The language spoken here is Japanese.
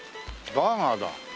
バーガーだ。